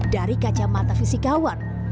dari kaca mata fisik awan